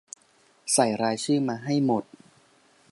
ไล่รายชื่อมาให้หมด